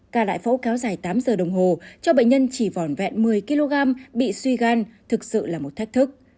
ca lại phẫu kéo dài tám giờ đồng hồ cho bệnh nhân chỉ vòn vẹn một mươi kg bị suy gan thực sự là một thách thức